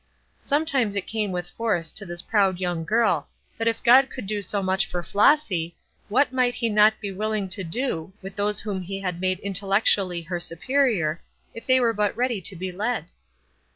Sometimes it came with force to this proud young girl that if God could do so much for Flossy, what might he not be willing to do with those whom he had made intellectually her superior, if they were but ready to be led?